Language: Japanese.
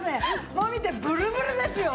もう見てブルブルですよ。